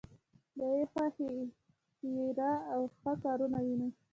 له یوې خوا خیریه او ښه کارونه وینو.